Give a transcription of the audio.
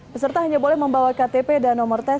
peserta hanya boleh membawa ktp dan nomor tes